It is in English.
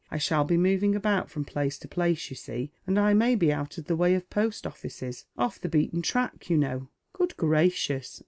I shall be moving about from place to place, you see, and I may be out of the way of post oiEces — off the beateu track, you know." "Good gracious!"